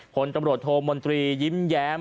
ผลตำรวจโทมนตรียิ้มแย้ม